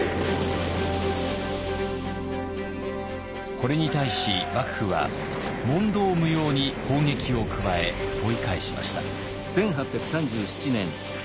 これに対し幕府は問答無用に砲撃を加え追い返しました。